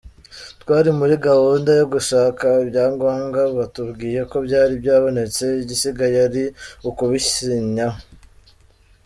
Twari muri gahunda yo gushaka ibyangombwa batubwiye ko byari byabonetse igisigaye ari ukubisinyaho”.